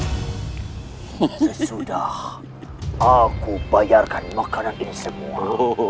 sesudah aku bayarkan makanan ini semua